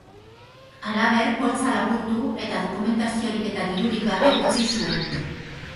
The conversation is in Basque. Halaber, poltsa lapurtu, eta dokumentaziorik eta dirurik gabe utzi zuen.